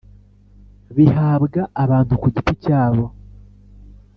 Bihabwa abantu ku giti cyabo